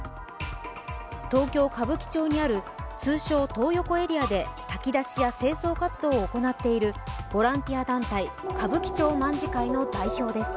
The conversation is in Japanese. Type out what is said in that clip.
東京・歌舞伎町にある通称・トー横エリアで炊き出しや清掃活動を行っているボランティア団体、歌舞伎町卍会の代表です。